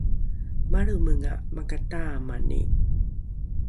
malremenga makataamani